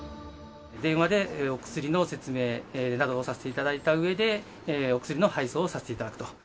電話でお薬の説明などをさせていただいたうえで、お薬の配送をさせていただくと。